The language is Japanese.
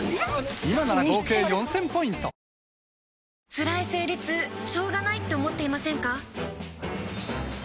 つらい生理痛しょうがないって思っていませんか？